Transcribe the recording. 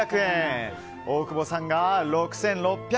大久保さんが６６００円。